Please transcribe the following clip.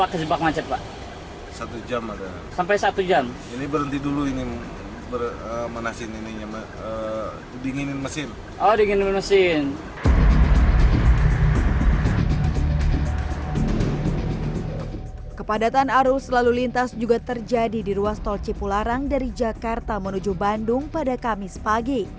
kepadatan arus lalu lintas juga terjadi di ruas tol cipularang dari jakarta menuju purwakarta